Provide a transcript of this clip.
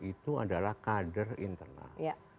itu adalah kader internal